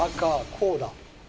こうだ